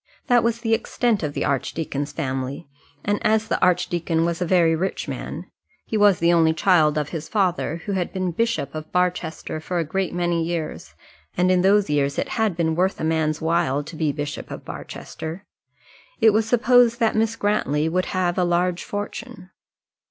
That was the extent of the archdeacon's family, and as the archdeacon was a very rich man he was the only child of his father, who had been Bishop of Barchester for a great many years; and in those years it had been worth a man's while to be Bishop of Barchester it was supposed that Miss Grantly would have a large fortune.